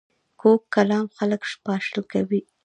کوږ کلام خلک پاشل کوي